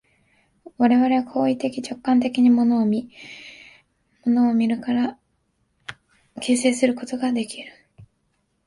我々は行為的直観的に物を見、物を見るから形成するということができる。